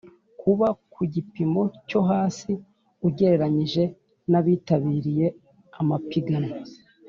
kuba ku gipimo cyo hasi ugereranyije nabitabiriye amapiganwa